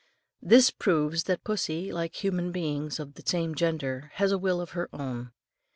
This proves that pussy like human beings of the same gender has a will of her own.